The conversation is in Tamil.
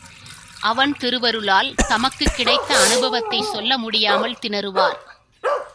அவன் திருவருளால் தமக்குக் கிடைத்த அநுபவத்தைச் சொல்ல முடியாமல் திணறுவார்.